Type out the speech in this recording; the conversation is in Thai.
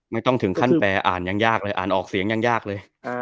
ไม่ต้องถึงขั้นแปลอ่านยังยากเลยอ่านออกเสียงยังยากเลย